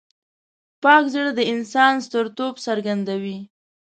پاک زړه د انسان سترتوب څرګندوي.